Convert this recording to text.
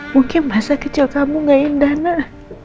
mungkin masa kecil kamu gak indah nak